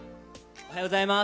おはようございます。